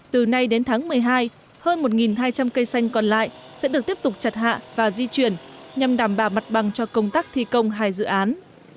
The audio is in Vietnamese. từ nay đến tháng một mươi hai hơn một hai trăm linh cây xanh còn lại sẽ được tiếp tục chặt hạ và di chuyển nhằm đảm bảo mặt bằng cho công tác thi công hai dự án